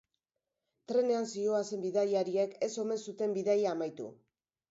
Trenean zihoazen bidaiariek ez omen zuten bidaia amaitu.